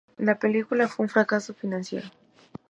La película fue un fracaso financiero.